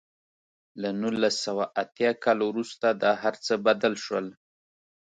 له نولس سوه اتیا کال وروسته دا هر څه بدل شول.